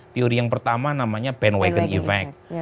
teori yang pertama namanya bandwagon effect